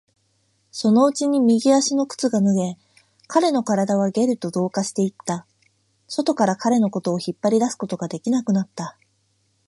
そのうちに右足の靴が脱げ、彼の体はゲルと同化していった。外から彼のことを引っ張り出すことができなくなった。